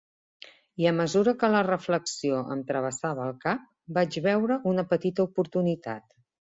I a mesura que la reflexió em travessava el cap, vaig veure una petita oportunitat.